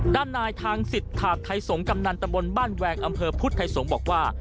ด้านนายทางสิทธาบไทยสงศกำนันตำบลบ้านแวงอำเภอพุทธไทยสงฆ์บอกว่า